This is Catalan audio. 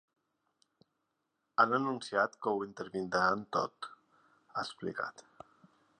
Han anunciat que ho intervindran tot, ha explicat.